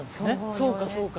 そうかそうか。